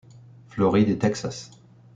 Floride et Texas